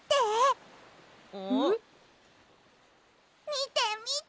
みてみて！